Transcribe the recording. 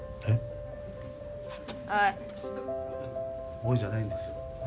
・「おい」じゃないんですよ俺？